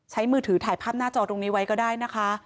มือถือถ่ายภาพหน้าจอตรงนี้ไว้ก็ได้นะคะ